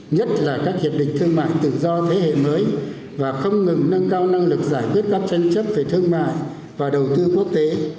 nhất là các hiệp định thương mại tự do thế hệ mới và không ngừng nâng cao năng lực giải quyết các tranh chấp về thương mại và đầu tư quốc tế